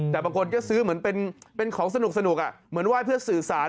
แต่บางคนก็ซื้อเหมือนเป็นของสนุกเหมือนไหว้เพื่อสื่อสาร